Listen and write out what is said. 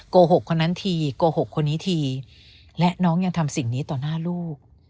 โกหกคนนั้นทีโกหกคนนี้ทีและน้องยังทำสิ่งนี้ต่อหน้าลูก